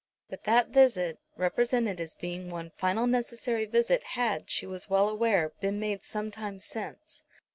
But that visit, represented as being one final necessary visit, had, she was well aware, been made some time since.